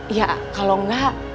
iya kalau gak